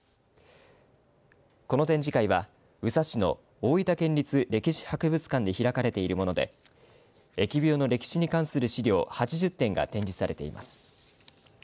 この展示会は、宇佐市の大分県立歴史博物館で開かれているもので疫病の歴史に関する資料８０点が展示されています。